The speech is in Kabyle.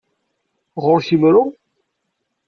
Ɣer-k imru?